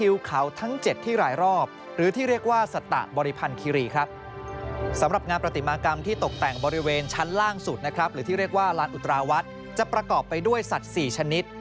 ว่าลานอุตราวัฒน์จะประกอบไปด้วยสัตว์๔ชนิด